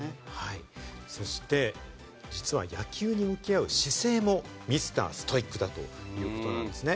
そして実は、野球に向き合う姿勢もミスターストイックだということなんですね。